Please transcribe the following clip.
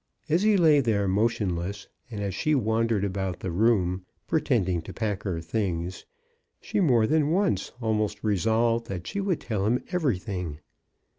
As he lay there motionless, and as she wandered about the room MRS. BROWN ATTEMPTS TO ESCAPE. 3/ pretending to pack her things, she more than once almost resolved that she would tell him everything.